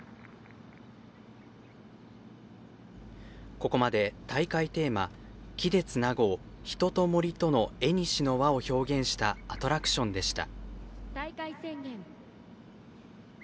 ここまで、大会テーマ「木でつなごう人と森との縁の輪」を表現したアトラクションでした。